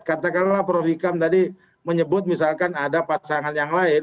katakanlah prof hikam tadi menyebut misalkan ada pasangan yang lain